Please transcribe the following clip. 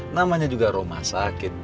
namanya juga rumah sakit